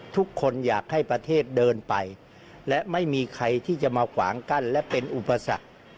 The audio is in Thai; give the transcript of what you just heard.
ทุกคนอยากให้ประเทศเดินไปและไม่มีใครที่จะมาขวางกั้นและเป็นอุปสรรค